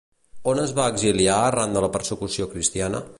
On es va exiliar arran de la persecució cristiana?